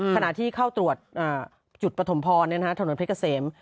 ขณะที่เข้าตรวจจุดปฐมพรถนนเพชรเกษม